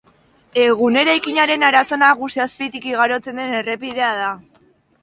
Egun eraikinaren arazo nagusia azpitik igarotzen den errepidea da.